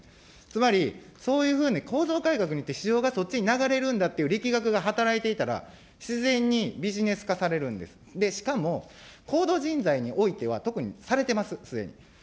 つまり、そういうふうに構造改革によって市場がそっちに流れるんだっていう力学が働いていたら、自然にビジネス化されるんです、しかも、高度人材においては特にされてます、すでに。